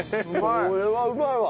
これはうまいわ。